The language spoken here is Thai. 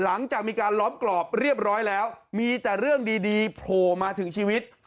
หลังจากมีการล้อมกรอบเรียบร้อยแล้วมีแต่เรื่องดีโผล่มาถึงชีวิต